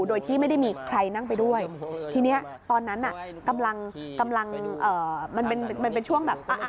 โดยที่ไม่ได้มีใครนั่งไปด้วยทีนี้ตอนนั้นน่ะกำลังเอ่อมันเป็นช่วงแบบ